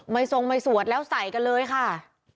ทรงไม่สวดแล้วใส่กันเลยค่ะ